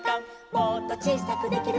「もっとちいさくできるかな」